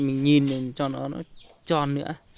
mình nhìn cho nó tròn nữa